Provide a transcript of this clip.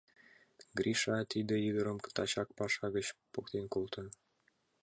Гриша, тиде ӱдырым тачак паша гыч поктен колто!..